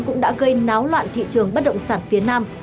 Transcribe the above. cũng đã gây náo loạn thị trường bất động sản phía nam